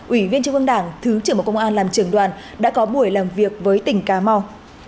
ủy viên trung ương đảng thứ trưởng bộ công an làm trưởng đoàn đã có buổi làm việc với tỉnh cà mau